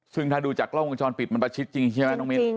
ซึ่งถ้าดูจากกล้องวงจรปิดมันประชิดจริงใช่ไหมน้องมิ้น